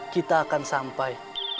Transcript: kita akan sampai